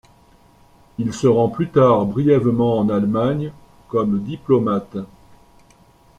Il se rend plus tard brièvement en Allemagne comme diplomate.